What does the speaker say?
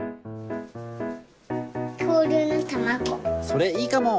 それいいかも。